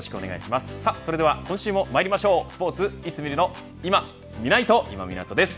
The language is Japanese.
それでは今週もまいりましょうスポーツいつ見るのいまみないと、今湊です。